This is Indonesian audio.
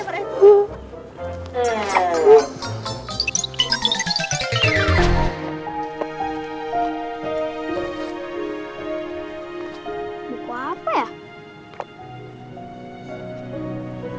tiara hadis pilihan